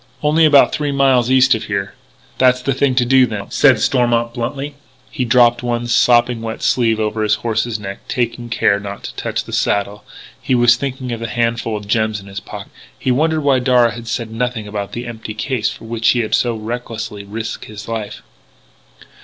"Only about three miles east of here." "That's the thing to do, then," said Stormont bluntly. He dropped one sopping wet sleeve over his horse's neck, taking care not to touch the saddle. He was thinking of the handful of gems in his pocket; and he wondered why Darragh had said nothing about the empty case for which he had so recklessly risked his life.